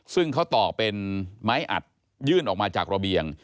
ซึ่งเขาตอกเป็นไม้อัดยื่นออกมาจากระเบียง